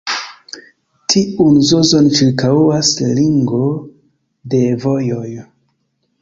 Tiun zonon ĉirkaŭas ringo de vojoj.